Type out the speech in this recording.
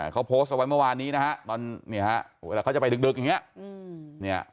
เขาโพสต์เอาไว้เมื่อวานนี้นะครับเวลาเขาจะไปดึกอย่างนี้